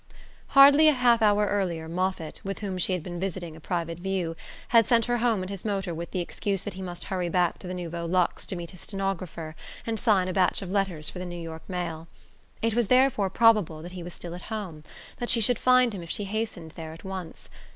Hardly a half hour earlier Moffatt, with whom she had been visiting a "private view," had sent her home in his motor with the excuse that he must hurry back to the Nouveau Luxe to meet his stenographer and sign a batch of letters for the New York mail. It was therefore probable that he was still at home that she should find him if she hastened there at once.